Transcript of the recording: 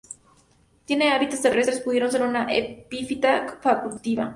Tiene hábitos terrestre, pudiendo ser una epífita facultativa.